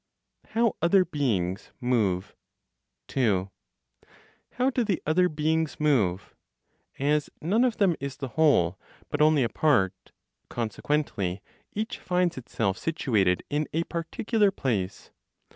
HOW OTHER BEINGS MOVE. 2. How do the other beings move? As none of them is the whole, but only a part, consequently, each finds itself situated in a particular place.